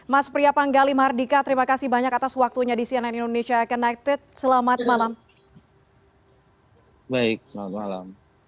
mas priya panggali mardika terima kasih banyak atas waktunya di cnn indonesia connected selamat malam